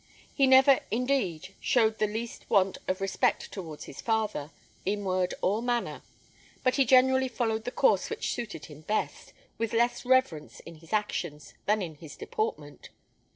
He never, indeed, showed the least want of respect towards his father, in word or manner; but he generally followed the course which suited him best, with less reverence in his actions than in his deportment.